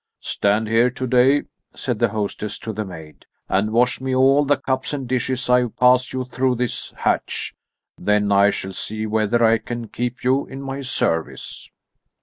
"Stand here today," said the hostess to the maid, "and wash me all the cups and dishes I pass you through this hatch, then I shall see whether I can keep you in my service."